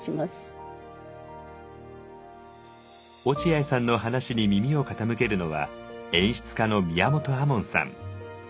落合さんの話に耳を傾けるのは演出家の宮本亞門さん。